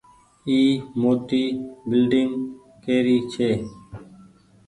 اي موٽي بلڌنگ ڪيري ڇي۔